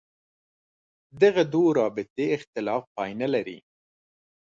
دغو دوو رابطې اختلاف پای نه لري.